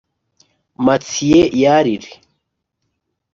Matthieu Yalire